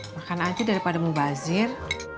makan aja daripada mau bazir